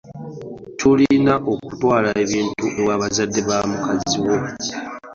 Tulina okutwala ebintu ewa bazadde ba mukazi wo.